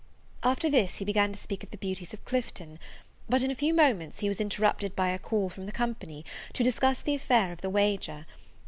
After this he began to speak of the beauties of Clifton; but, in a few moments, he was interrupted by a call from the company, to discuss the affair of the wager.